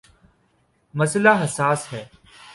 مسئلہ حساس ہے۔